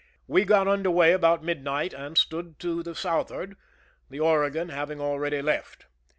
We got under way about mid night, and stood to the southward, the Oregon hav ing already left.